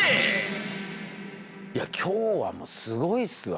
いや今日はもうすごいっすわ